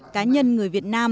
cá nhân người việt